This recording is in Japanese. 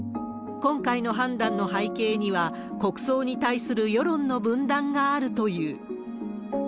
今回の判断の背景には、国葬に対する世論の分断があるという。